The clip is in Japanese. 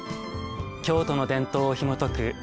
京都の伝統をひもとく